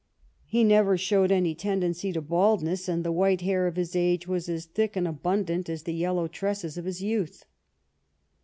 He never showed any ten dency to baldness, and the white hair of his age was as thick and abundant as the yellow tresses of his youth.